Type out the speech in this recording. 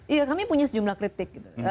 iya kami punya sejumlah kritik gitu